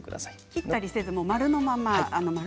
切ったりせず丸のまま。